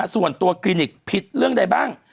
ส่วนตัวคลินิกผิดเรื่องใดบ้าง